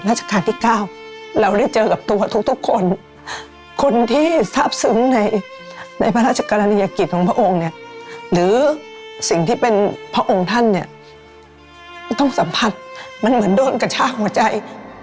ราชการที่๙เราได้เจอกับตัวทุกคนคนที่ทราบซึ้งในพระราชกรณียกิจของพระองค์เนี่ยหรือสิ่งที่เป็นพระองค์ท่านเนี่ยต้องสัมผัสมันเหมือนโดนกระชากหัวใจ